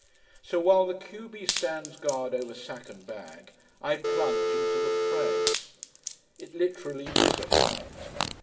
So while the q b stands guard over sack and bag, I plunge into the fray. It literally is a fight.